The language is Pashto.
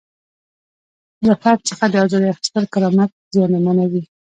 له فرد څخه د ازادۍ اخیستل کرامت زیانمنوي.